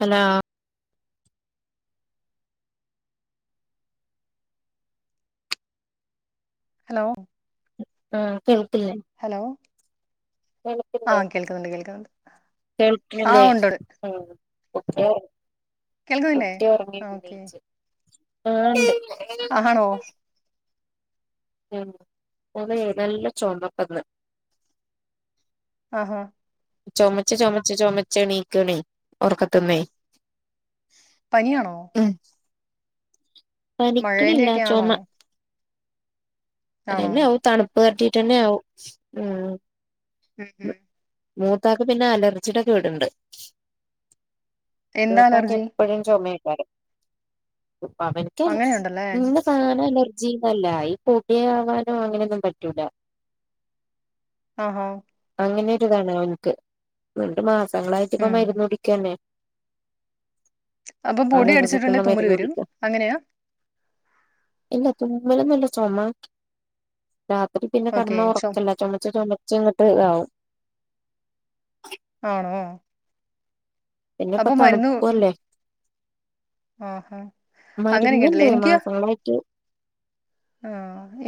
Hello hello ആ കേൾ hello ആ കേൾക്കില്ലേ കേൾക്കുന്നുണ്ട് കേൾക്കുന്നുണ്ട് ആ കേൾക്ക്ണില്ലേ ഉണ്ട് ഉം [inaudible] കേൾക്കുന്നില്ലേ ഓക്കേ ആ ആണോ ഉം അതെ നല്ല ചുമപെന്ന് ആഹാ ചുമച്ചു ചുമച്ചു ചുമച്ചു എണീക്കുന്നെ ഉറക്കത്തിനു പനിയാണോ പനിക്കനില്ല മഴേന്റെയൊക്കെ ആണോ ചുമ ആണോ [inaudible] [inaudible] ഉം ഉം മൂത്താക്ക് പിന്നെ അലർജി ടെ ഒകെ ഉണ്ട് എന്താ മൂത്താക്ക് അലർജി എപ്പോഴും ചുമയ [inaudible] അവനക്ക് അങ്ങനെയുണ്ടല്ലേ എല്ലാം സാധനോം അലർജി ഏ പൊടിയൊക്കെ അങ്ങനെയൊന്നും പറ്റില്ല ആഹാ അങ്ങനെ ഒരുതാണ് ഓന്ക്ക് രണ്ട് മാ ങ്ങളായിട്ട് ഇപ്പ ഉം മരുന്ന് കുടിക്കാണേ അപ്പൊ പൊടി അലർജിക്കുള്ള അടിച്ചിട്ടുണ്ടെ തുമ്മല് മരുന്ന് വരും കുടിക്ക അങ്ങനെയാ ഇല്ല തുമ്പലൊന്നുല്ല ചൊമ രാത്രി പിന്നെ ഓക്കെ കടന്ന ചൊ ഒറക്ക്ല്ല ചൊമച്ച് ചെമ ചെമ ആവും ആണോ അപ്പൊ പിന്നെപ്പ മരുന്ന് ഉം, തണുപ്പുല്ലേ ആഹാ അങ്ങനെയൊക്കെ ഉണ്ടല്ലേ മരുന്നുണ്ട് എനിക്ക് മാസങ്ങളായിട്ട് ആ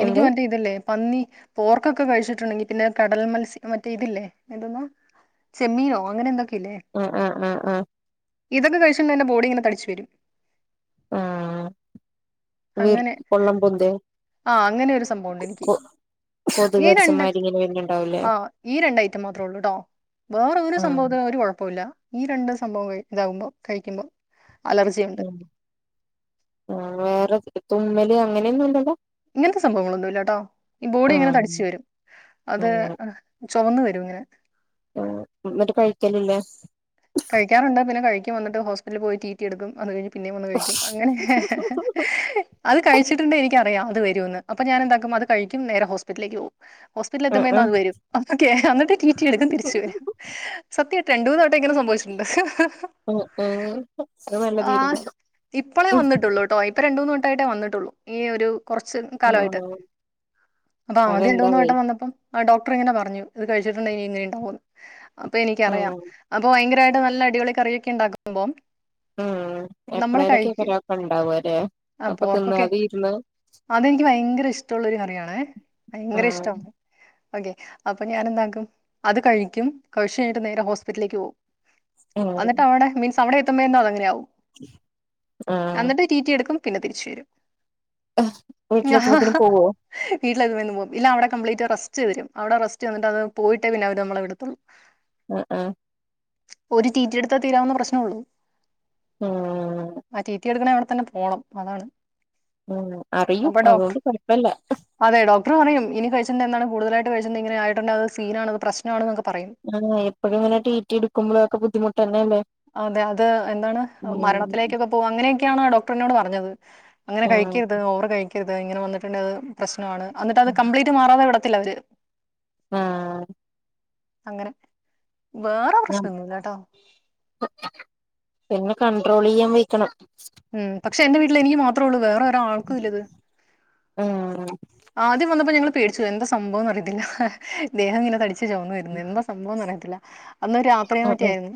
എനിക്ക് എന്ത് മറ്റേ ഇതല്ലേ പന്നി പോർക്കൊക്കെ കഴിച്ചി ട്ടുണ്ടെങ്കിൽ പിന്നെ കടൽ മത്സ്യ മറ്റേ ഇതില്ലേ എന്തോന്നാ ചെമ്മീനോ അങ്ങനെ എന്തൊ ആ ആ അ ആ ഇതൊക്കെ കഴിച്ചിട്ടുണ്ടെ എന്റെ ബോഡിയിങ്ങനെ തടിച്ച് വരും ആ വീർ അങ്ങനെ പൊള്ളം പൊന്തെ ആ അങ്ങനെ ഒരു സംഭവുണ്ട് എനിക്ക്, കൊ കൊതുക് ഈ രണ്ട്, കടിച്ചമാരി ഇങ്ങനെ വരുന്നുണ്ടാവൂലേ ആഹ് ഈ രണ്ട് ഐറ്റം മാത്രുള്ളൂട്ടോ വേറൊരു ആ സംഭവത്തിനും ഒരു കൊഴപ്പോല്ല. ഈ രണ്ട് സംഭവം ഇതാവുമ്പോ കഴിക്കുമ്പോ അലർജിയുണ്ട് ഉം ആ വേറെ തുമ്മല് അങ്ങനെയൊന്നും ഇല്ലല്ലോ ഇങ്ങനത്തെ സംഭവങ്ങളെന്നും ഇല്ലാട്ടോ, ഈ ആ ബോഡി ഇങ്ങനെ തടിച്ചു വെരും ആ അത് ചുവന്നു വെരും ഇങ്ങനെ ആ എന്നിട്ട് കഴിക്കലില്ലേ കഴിക്കാറുണ്ട് പിന്നെ കഴിക്കും അന്നിട്ട് ഹോസ്പിറ്റല് പോയി ടീറ്റി എട്ക്കും അത് കഴിഞ്ഞ് പിന്നെം വന്ന് കഴിക്കും അങ്ങനെ അത് കഴിച്ചിട്ടുണ്ടെ എനിക്ക അറിയാം അത് വരൂന്ന് അപ്പോ ഞാൻ എന്താക്കും, അത് കഴിക്കും നേരെ ഹോസ്പിറ്റിലേക്ക് പോവും ആ ഹോസ്പിറ്റലിലെത്തുമ്പേന്ന് അത് വെരും ഏഹ് എന്നിട്ട് റ്റി എട്ക്കും തിരിച്ച് ആ വെരും സത്യ രണ്ടു മൂന്ന് വട്ടം ഇങ്ങനെ സംഭവി ച്ചിണ്ട് ഉം ഉം അത് നല്ല ആഹ് തീരുമാനം ട്ടായിട്ടേ വന്നിട്ടുള്ളൂ ഈ ഒരു കൊറച്ച് കാലവായിട്ട് ആഹ് അപ്പൊ ആദ്യം രണ്ട് മൂന്ന് അതെന്താവേ വട്ടം വന്നപ്പം ആ ഡോക്ടർ ഇങ്ങനെ പറഞ്ഞു ഇത് കഴിച്ചിട്ടുണ്ടെങ്കി ഇങ്ങനെ ഉണ്ടാവൂന്ന് അപ്പൊ ഉം എനിക്കറിയാം അപ്പൊ ഭയങ്ക നല്ല അടിപൊളി കറിയൊക്കെ ഉണ്ടാക്കുമ്പം ഉം നമ്മള് കഴിക്കും എപ്പളേലൊക്കെക്കാരം അതൊക്കെ ഇണ്ടാവല്ലേ ആ അപ്പൊ പോർക്കൊക്കെ തിന്നാതെ ഇരുന്ന് അതെനിക്ക് ഭയങ്കര ഇഷ്ട്ടൊള്ളൊരു കറിയാണെ ഭയങ്കര ആഹ് ഇഷ്ടവാണ്‌ ഓക്കെ അപ്പൊ ഞാനെന്താക്കും അത് കഴിക്കും കഴിച്ചു കഴിഞ്ഞിട്ട് നേരെ ഹോസ്പിറ്റിലേക്ക് പോകും ആഹ് അന്നിട്ട് അവിടെ മീൻസ് അവിടെ എത്തുമ്പോ തന്നെ അത് അങ്ങനെ ആകും എന്നിട്ട് റ്റി റ്റി എടുക്കും പിന്നെ തിരിച്ചു വരും വീട്ടിലെത്തുമ്പോത്തേനും പോവുവോ ഇല്ല ഇവിടെ നിന്ന് പോകും അല്ലേ അവിടെ കംപ്ലീറ്റ് റസ്റ്റ് വരും അവിടെ റസ്റ്റ് തന്നിട്ട് അത് പോയിട്ടേ അവര് നമ്മളെ വിടത്തുള്ളു ആ ആ ഒരു റ്റിറ്റിയെടുത്താ തീരാവുന്ന പ്രശ്നവേയുള്ളൂ ആഹ് ആ റ്റീ റ്റീ എടുക്കണേൽ അവിടെ ത്തന്നെ പോണം അതാണ് ആഹ് അറിയും അപ്പൊ ഡോക്ട്ർ അതുകൊണ്ട് കൊഴപ്പല്ല അതെ ഡോക്ടർ പറയും ഇനി കഴിച് ന്നെന്താണ് കൂടുതലായിട്ട് കഴിച്ച് ഇങ്ങനായിട്ട്ണ്ടെ അത് സീനാണത് പ്രശ്നാണ് എന്നൊക്കെ ഏഹ് എപ്പഴും ങ്ങനെ റ്റിറ്റി എടുക്കുമ്പോ ക്കെ ബുദ്ധിമുട്ടെന്നെല്ലേ. അതെ അത് എന്താണ് മരണത്തിലേക്കൊക്കെ പോകും അങ്ങനെയൊക്കെയാണ് ഡോക്ടർ എന്നോട് പറഞ്ഞത് അങ്ങനെ ആഹ് കഴിക്കര്ത് ഓവർ കഴിക്കര്ത്. ഇങ്ങനെ വന്നിട്ട്ണ്ടേ അത് പ്രശ്നാണ്. അന്നിട്ട് അത് കംപ്ലീറ്റ് മാറാതെ വിട ത്തില്ലവര് ആഹ്. അങ്ങനെ വേറെ പ്രശ്നന്നുല്ലട്ടാ. പിന്ന കണ്ട്രോളെയ്യാൻ വെയ്ക്കണം. ഉം. പക്ഷെ എന്റെ വീട്ടിൽ എനിക്ക് മാത്രോള്ളു വേറെ ഒരാൾക്കു ഇല്ല ഇത്. ഉം. ആദ്യം വന്നപ്പോ ഞങ്ങൾ പേടിച്ച്പോയി എന്താ സംഭവന്നറിയത്തില്ല ഹ ദേഹം ഇങ്ങനെ തടി ച്ച് ചൊമന്ന് വെരുന്നെ എന്താ സംഭവം എന്നറിയത്തില്ല. അന്ന് രാത്രിയോ ആഹ് മറ്റായിരുന്നു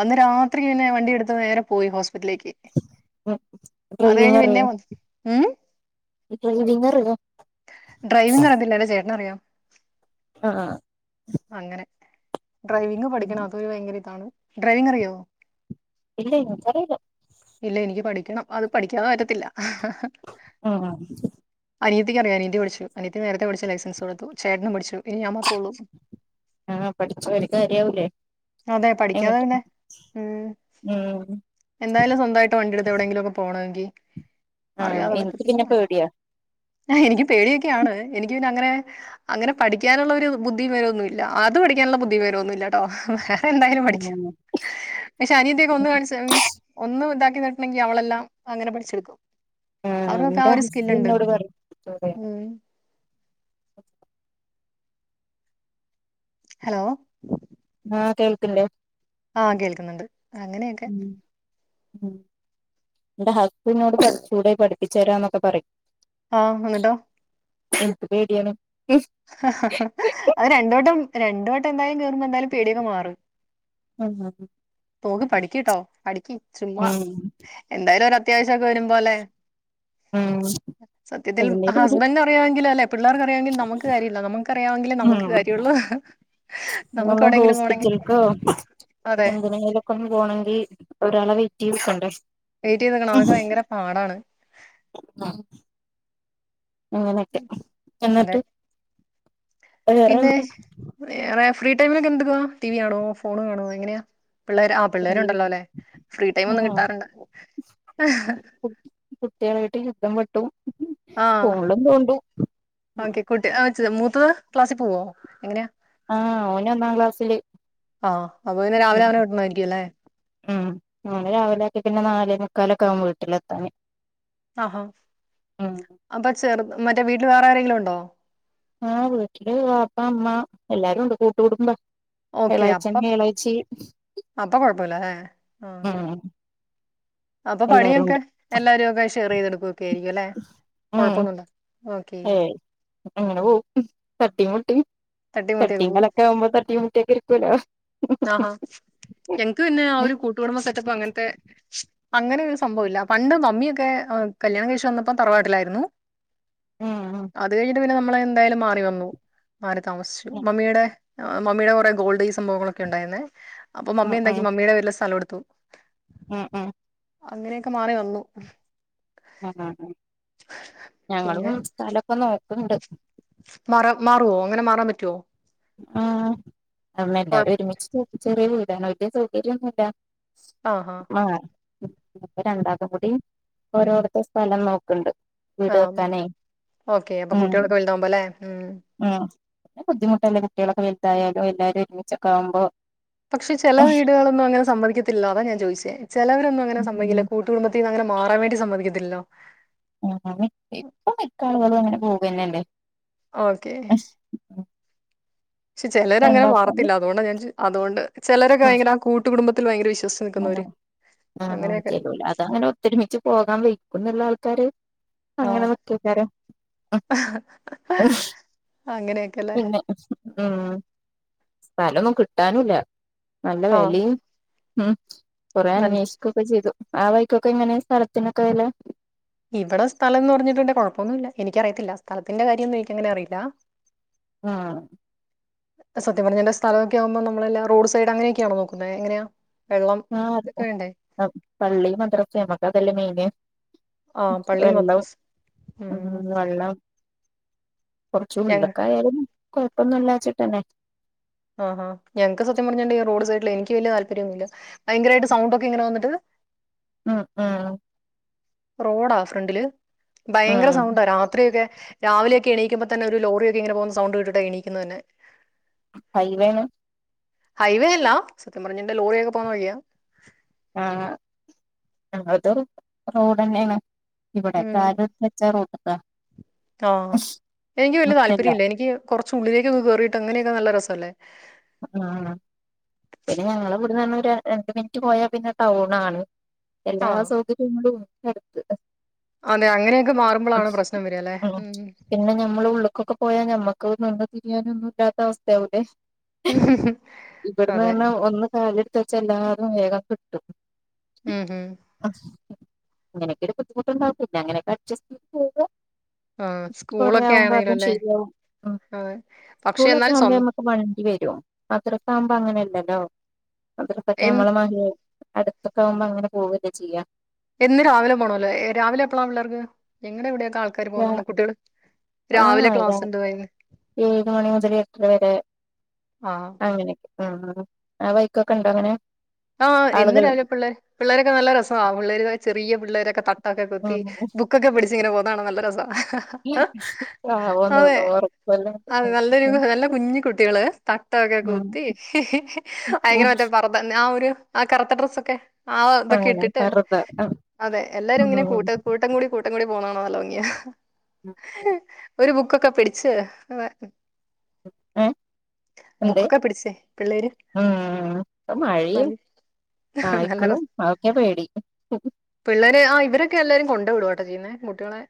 അന്ന് രാ ത്രിയെന്നെ വണ്ടിയെട്ത്ത് നേരെ പോയി ഹോസ് ഉം അത് കഴിഞ്ഞ് പിന്നെ ഡ്രൈവിംഗറ്യോ വന്ന്- ഉം ഡ്രൈവിംഗറി യോ ഡ്രൈവിംഗ് അറ് [unintelligible] ചെ ന്നറിയാം അഹ് ആഹ് അങ്ങനെ ഡ്രൈവിങ് പഠിക്കണം അത്‌ ഭയങ്കര ഇതാണ് ഡ്രൈവിങ് അറിയോ ഇല്ല ഇൻക്കറീല റ്റണം അത് പഠിക്കാതെ പറ്റത്തില്ല അഹ് അഹ് അനിയത്തിക്കറിയ അനിയത്തി പഠിച്ചു അനിയത്തി നേരെത്തെ പഠിച്ച ലൈസൻസൊടുത്തു ചേട്ടനും പഠിച്ചു പിന്നെ ഞാൻ മാത്ര ഒള്ളൂ ആഹ് പഠിച്ചൊ ഒര് കാര്യാവൂലേ അതെ പഠിക്കാതെ എങ്ങട്ട് തന്നെ ഉം ഉം എന്നായാലും സ്വന്തായിട്ട്‌ വണ്ടി ഇടുത്ത് എവിടെങ്കിലും ഒക്കെ പോണെങ്കിൽ ആഹ് അറിയാതെ എനിക്ക് പറ്റത്തില്ല പിന്നെ പേടിയാ എനിക്ക് പേടിയൊക്കെയാണ് എനിക്ക് അങ്ങനെ അങ്ങനെ പഠിക്കാനുള്ള ഒരു ബുദ്ധി വിവരൊന്നുല്ല അത് പഠിക്കാനുള്ള ബുദ്ധിവിവരൊന്നുല്ല ട്ടോ ഉം ഹേ ഞാന് എന്തായാലും പഠിക്കും ഉം പക്ഷേ അനിയത്തിയൊക്കെ ഒന്ന് കാണിച്ച മീൻസ് ഒന്ന് ദാ [unintelligible] അവളെല്ലാം അങ്ങനെ പഠിച്ചെടുക്കും ആഹ് അവർക്കൊക്കെ ആ നിന്റെ ഒരു സ്കില്ലുണ്ട്. ഹസ്ബന്റിനോട് പറഞ്ഞൂടെ ഉം. ഹലോ ആഹ് കേൾക്ക്ല്ലേ ആഹ് കേൾക്ക്ന്ന്ണ്ട് അങ്ങനെയൊക്കെ ഉം ഇന്റെ ഹസ്ബന്റ് ന്നോട് പഠിച്ചൂടെ പഠിപ്പിച്ചരാ ന്നൊക്കെ പറയും ആഹ് ന്നിട്ടോ എനിക്ക് പേടിയാണേ ഹ ഹ ഹാ അത് രണ്ട് വട്ടം രണ്ട് വട്ടം എന്തായാലും കേറുമ്പം എന്തായാലും പേടിയങ്ങ് മാറും ആഹ് ആഹ് തോന്നു പഠിക്ക്ട്ടോ പഠിക്ക് ചുമ്മാ ഉം എന്തായാലും ഒര ക്ക് വരും പോലെ ഉം സത്യത്തിൽ അതിന്റെരു ഒരു ഹസ്ബന്റ് അറിയുവെങ്കിലല്ലേ പിള്ളേർക്കറിയാ എൻങ്കിൽ നമുക്കൊ ഉം നമുക്ക് [unintelligible] എവിടെയെങ്കിലും പോണെങ്കി ഹോസ്പിറ്റൽക്കോ അതെ എന്തിനേലൊക്കെ ഒന്ന് പോണെങ്കി ഒരാളെ വെയിറ്റ് ചെയ്തു നിൽക്കണ്ടേ എഴുതിവെക്കണോ അതൊക്കെ ഭയങ്കര പാടാണ് അങ്ങനെയൊക്കെ അതെ എന്നിട്ട് പിന്നെ വേറെന്താ വേറെ ഫ്രീ ടൈമിലൊക്കെ എന്ത്ക്കവാ ടിവി കാണോ ഫോണു കാണോ എങ്ങനെയാ പിള്ളേർ ആ പിള്ളേരുണ്ടല്ലോ അല്ലെ ഫ്രീ ടൈം ഒന്നും ആഹ് കിട്ടാറുണ്ട് കുട്ടികളായിട്ട് യുദ്ധം വെട്ടും ആഹ് ഫോണിലും തോണ്ടും ഓക്കെ കുട്ട് ആ [unintelligible] പത്ത് ക്ലാസ്സിൽ പോവോ എങ്ങനെയാ ആ ഓന് ഒന്നാം ക്ലാസില് ആ അപ്പൊ പിന്നെ രാവിലെ ഉം അവനെ വിടണമായിരിക്കും അല്ലേ ഓന്നെ രാവിലെ ഒക്കെ ആക്കിട്ട് പിന്നെ നാലേ മുക്കാല ഒ ക്കെ ആവും വീട്ടിലെത്താന് ആഹോ ഉം അപ്പൊ ചെറുത് മറ്റേ വീട്ടിൽ വേറെ ആരെെങ്കിലും ഉണ്ടോ? ആഹ് വീട്ടില് പാപ്പ അമ്മ എല്ലാരും ഉണ്ട് കൂട്ടുകൂടുുംമ്പ എളാച്ചന്ന എളാ്ച്ചി അപ്പാ കുഴപ്പമില്ല ആ ഉം അപ്പൊ എല്ലാരും പണിയൊക്കെ ഉണ്ട് എല്ലാരും ഒക്കെ ഷെയർ ചെയ്തെടുക്കും ഉം ഓക്കെ ഏ അങ്ങനെ പോ തട്ടി മുട്ടി തട്ടിമുട്ടിയൊക്കെ പോവും തട്ടിികളൊക്കെ ഒമ്പ് തട്ടി മറ്റ ഒക്കെ ഇരിക്കൂല്ലോ ആഹാ എങ്ങക്ക് പിന്നെ ആ ഒരു കൂട്ടുകുടമ്പക്കെറ്റപ്പ അങ്ങനത്തെ അങ്ങനെൊ ഒരു സംഭവ ഇില്ല പണ്ട് മമ്മിയൊക്കെ കല്യാണം കഴശി വന്നപ്പോ തറവാട്ടിലായിരുന്നു ഉം അത് കഴിഞ്ഞിട്ട് പിന്നെ നമ്മള എന്തായാലും മാറി വന്നു ആര് താമസിച്ചു ഉം മമ്മിയുടെ മമ്മിയുടെ കുറേ ഗോൾഡ ഈ സംഭവങ്ങളൊക്കെ ഒക്ക ഉണ്ടായിുന്ന അപ്പൊമ്മ ഉം എന്താക്കി മമ്മുടെ വ സ്ഥംടുത്ത് അ ഉം ഉം അങ്ങനെയൊക്കെ മാറി വന്നു ആ ഞങ്ങളും പിന്നെ സ്ഥലൊക്കെ നോ കണ്ട മാറ മാറുവോ അങ്ങനെ മാറാൻ പറ്റുവോ ആ് നമ്മ എല്ലാരും കൊഴപ്പ ഒരുമിച്ച ചെറിയ അറ്റ സൗകര്യം ഒന്നുമില്ല ആ ആ രണ്ടാക്കും കൂടി ഓരോരുത്ത സ്ഥലം നോക്കണ്ട് ആ ഓക്കെ അപ്പൊ ഉം കകുട്ടികളൊക്കെ വലുതാകുമ്പോ അല്ലേ ഉം ന്നെ ഇപ്പ എന്തിനാ ന്റെ കുട്ടികളൊക്കെ എന്തായാലും എല്ലാരും ഒരുമിച്ചൊക്കെ ആവുമ്പോ പക്ഷെ ചില വീടുകളൊന്നും അങ്ങനെ സമ്മതിക്കത്തില്ല അതാ ഞാ ജോയിസെ ചിലവരൊന്നും അങ്ങനെ സംഭവിക്കില്ല ഉം കൂട്ടു കുടുംബത്തിൽ അങ്ങനെ മാറാൻ വേണ്ടി സമ്മതിക്കത്തില്ലല്ലോ ആ ഇപ്പ മിക്കാളുകളും അങ്ങനെ പോകന്നല്ലേ ഓക്കെ പക്ഷെ ചിലര് അങ്ങനെ രണ്ടാക്കാര് വർത്തില്ല അതുകൊണ്ട ഞാൻ ചോ അതുകൊണ്ട് ചിലരക്കെ ഭയങ്കര ആ കൂട്ടുടുംബ ത്തിൽ ഭയങ്കര വിശ് ആ ആ ചാലോൽ അതങ്ങനെ ഒത്തൊരുമിച്ച് പോകാൻ വി കുന്നുള്ള ആൾക്കാര് അങ്ങനെ ആഹ് നിക്കെക്കാരം അങ്ങനെയൊക്കെല്ലേ ഉം സ്ഥലൊന്നും കിട്ടാനില്ല നല്ല ആഹ് വേലി ഉം നല്ല കൊറന്വേഷിക്ക ഓക്കെ ചെയ്തു ആ വൈക്കോക്കെ എങ്ങനെ സ്ഥലത്തിനൊക്കെ വില ഇവിടെ സ്ഥലം എന്ന് പറഞ്ഞിട്ട് എന്റെ കുഴപ്പൊന്നുംല്ല എനിക്കറിയത്തില്ല സ്ഥലത്തിന്റെ കാര്യൊന്നും എനിക്കങ്ങനെ അറിയില്ല ആ സത്യ പറഞ്ഞന്റെ സ്ഥലൊക്കെ ആകുമ്പോ നമ്മളല്ല റോഡ് സൈഡ് അങ്ങനെയൊക്കെയാണോ നോക്കുന്നത് എങ്ങനെയാ വെള്ളം ആ അതെ ഇതൊക്കെ വേണ്ടേ പള്ളി മദ്രസ നമ്മക്ക് അതല്ലേ മെയിന് ആഹ് പള്ളി വെള്ളം മദ്രസ് ഉം വെള്ളം കുറച്ച് ഞങ്ങ ഉള്ള്ക്കായാലും കൊഴപ്പൊന്നും ഇല്ലാച്ചിട്ടന്നെ ആഹാ ഞങ്ങക്ക് സത്യം പറഞ്ഞണ്ട് റോഡ് സയ് ലെയ് എനിക്ക് വല്യ താല്പര്യമൊന്നുല്ല ഭയങ്കരമായിട്ട് സൗണ്ട് ഒക്കെ ഇങ്ങനെ വന്നിട്ട് ഉം ഉം റോഡാ ഫ്രണ്ടില് ഭയങ്കര ഉം സൗണ്ട രാത്രിയൊക്കെ രാവിലെയൊക്കെ എണീക്കുമ്പോ തന്നെ ഒരു ലോറി ഒക്കെ ഇങ്ങനെ പോകുന്ന സണ്ട് കട്ട എണീക്കുന്നത് തന്നെ ഹൈവേണ് ഹൈവേ അല്ല സത്യം പറഞ്ഞ എന്റെ ലോറിൊക്കെ പോകുന്ന വഴിയ ആഹ അത് റോഡ് തന്നെയാണ് ഇവിടെ കാല വെച്ച റോഡ ആഹ എനിക്ക് വല്ിയ മുറ്റല്ല താല്പര്യം ഇല്ല എനിക്ക് കുറച്ച് ഉുള്ളില ക്ക്കയറിട്ട് അങ്ങനെയൊക്കെ നല്ല രസം അല്ലേ ആണോപിന്നെ ഞങ്ങ ഇവിടെന്ന ര രണ്ട് മിനിറ്റ് പോയാൽ പിന്നെ ടൗൺ ആണ് എല്ലാ ആഹ് സൗകര്യങ്ങളും അടുത്ത് അതെ അങ്ങനെയൊക്കെ മാറുമ്പോളാണ് പ്രശ്നം വരികല്ലേ ഉം പിന്നെ ഞമ്മള് ഉള്ള്ക്കൊക്കെ പോയാ ഞമ്മക്ക് നിന്ന് തിരിയാന ഒന്നും ഇല്ലാത്ത അവസ്ഥ അവിടെ ഇവിടുന്ന് അതെ പറഞ്ഞാ ഒന്നകാലെടുത്ത് ത്ത വച്ചഎല്ലാരും വേഗം കിട്ടും ഉം ഉം അ അങ്ങനെയൊക്കെ ഒരു ബുദ്ധിമുട്ടുണ്ടാവില്ല അങ്ങനെയൊക്കെ അഡ്ജസ്റ്റ് ചെയ്ത് പോവാ ആഹ് സ്കൂളൊക്കെ ആണേലും അല്ലേ ശരിയാവും ഉം അതെ പക്ഷെ എന്നാലും സ്വന്ത മദ്രസാകുമ്പോ അങ്ങനെയല്ലല്ലോ മദ്രസൊക്കെ എന്ന് ആകുമ്പോള് [unintelligible] അടുത്തൊക്കെ ആവുമ്പോ അങ്ങനെ പോകല്ലേ ചെയ്യാ എന്ന് രാവിലെ പോണല്ലേ രാവിലെ എപ്പളാ പിള്ളേർക്ക് ഞങ്ങളടെ ഇവ്ടെ ര രാവിലെ ആഹ് ര ക്ലാസ് ഉണ്ട് വൈകു ഏഴ് മണി മുതൽ എട്ടര വരെ ആഹ് അങ്ങനൊക്കെ ഉം ആ വയ്ക്കൊക്കെ ഉണ്ടോ അങ്ങനെ ആഹ് എന്നി ആളുകൾ രാവില പിള്ളേർ പിള്ളേരൊക്കെ നല്ല രസമാ പിള്ളേര് ചെറിയ പിള്ളേരൊ ത ക്കകുത്തി ഉം ബുക്കൊക പിടിച്ചിങ്ങനെ പോ ണ നല്ല രസാ ആവോന്ന് അതെ ഉറപ്പല്ല അത നല്ലൊരു നല്ല കുഞ്ഞിക്കുട്ടികള് തട്ടൊക്കെ ഉം കുത്തി ഭങ്കരയ ഉം മറ്റേ പർദ ആ ഒ ആ കറുത്ത ഡ്രസ്സ് ഒക്കെ ആ ഇതൊക്കെ അങ്ങനെ ഇട്ടിട്ട് വെറുതെ അതെ എല്ലാരും ഇങ്ങനെ ഉം കൂട്ട കൂട്ടം കൂടി കൂട്ടം കൂടി പോണകാണാൻ നല്ല ഭംഗിയാ ഒരു ബുക്കൊക്കെ ക്കെ പിടിച്ച് ഏ എന്ത് ബുക്കൊക്കെ പിടിച്ചേ പിള്ളേര് ഉം [unintelligible] നല്ല നല്ല നായ്ക്കളും രസം അതൊക്കെ പേടി ടൊക്കെ എല്ലാരും കൊണ്ട് വിടുവാട്ടോ ചെയ്യുന്നെ കുട്ടികളെ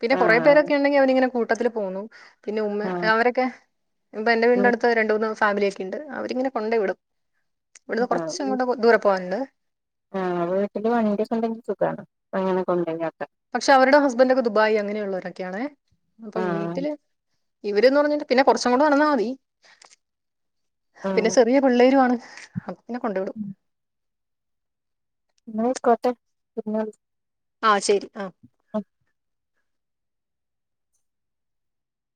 പിന്നെ കൊറേ ആഹ് പേരൊക്കെ ഉണ്ടെങ്കി അവനിങ്ങനെ കു ട്ടത്തിൽ പോന്നു പിന്നെ ഉമ്മ ആഹ് അവരൊക്കെ ഇപ്പൊ എന്റെ വീടിന്റെ അടുത്ത് രണ്ട് മൂന്ന് ഫാമിലിയൊക്കെ ഉണ്ട് അവരിങ്ങനെ കൊണ്ട് വിടും ഇവിടുന്ന് കുറച്ചും ആഹ് കൂടെ ദൂരെ പോകാനുണ്ട്. ആഹ് വീട്ടില് വണ്ടിയൊക്കെ ഇണ്ടെങ്കി സുഖാണ് അങ്ങന കൊണ്ടായാക്ക പക്ഷെ അവരുടെ ഹസ്ബൻഡ്ക്കെ ദുബായി അങ്ങനെയുള്ളവരൊക്കെയാണേ അപ്പൊ ആഹ് വീട്ടില് ഇവര്ന്ന് പറഞ്ഞാൽ പിന്നെ കുറച്ചും കൂടെ നടന്നാൽ മതി പിന്നെ ആഹ് ചെറിയ പിള്ളേരു ആണ്. [inaudible] ന്നെ കൊണ്ടു വിടും ന്നായ്ക്കോട്ടെ പിന്നെ വിളി ആ ശെരി ആ